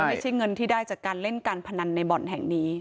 ไม่ใช่เงินที่ได้จากการเล่นการพนันในบ่อนแห่งนี้